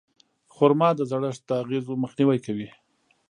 خرما د زړښت د اغېزو مخنیوی کوي.